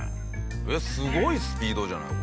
えっすごいスピードじゃない？